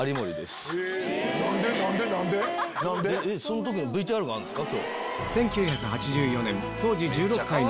その時のＶＴＲがあるんですか。